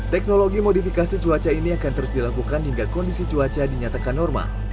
teknologi modifikasi cuaca ini akan terus dilakukan hingga kondisi cuaca dinyatakan normal